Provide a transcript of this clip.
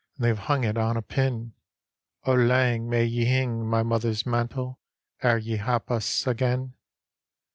And they've hung it on a pin; " O lang may ye hing, my mother's mantle, Ere ye h^ us again!